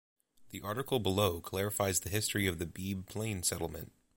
The article below clarifies the history of the Beebe Plain settlement.